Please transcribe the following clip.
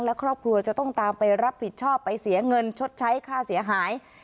และครอบครัวจะต้องตามไปรับผิดชอบไปเสียเงินชดใช้ค่าเสียหาย